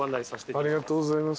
ありがとうございます。